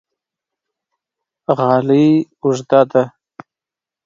غالۍ اوږده ده